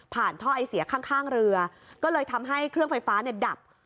ท่อไอเสียข้างเรือก็เลยทำให้เครื่องไฟฟ้าเนี่ยดับ